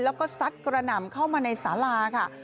แล้วก็ซัดกระหน่ำเข้ามาในสาราค่ะ